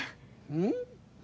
うん？